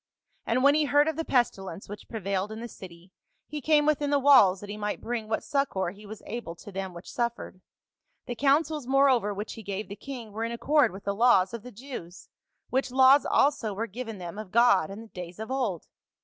And when he heard of the pestilence which prevailed in the city, he came within the walls that he might bring what succor he was able to them which suffered. The counsels more over which he gave the king were in accord with the laws of the Jews, which laws also were given them of God in days of old.